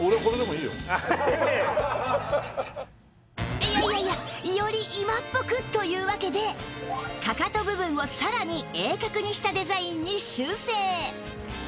いやいやいやより今っぽくというわけでかかと部分をさらに鋭角にしたデザインに修正